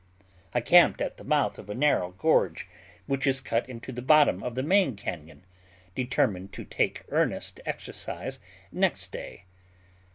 I camped at the mouth of a narrow gorge which is cut into the bottom of the main cañon, determined to take earnest exercise next day.